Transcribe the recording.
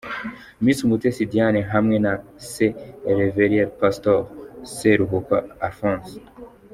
Miss Umutesi Diane hamwe na Se Rev Pastor Seruhuko Alphonse.